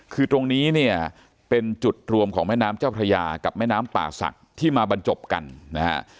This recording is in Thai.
คือตรงนี้เนี่ยเป็นจุดรวมของแม่น้ำเจ้าพระยากับแม่น้ำป่าศักดิ์ที่มาบรรจบกันนะฮะ